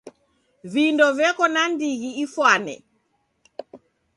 Vindo veko na ndighi ifwane .